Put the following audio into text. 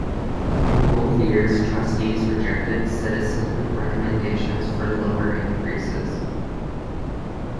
In both years trustees rejected citizen recommendations for lower increases.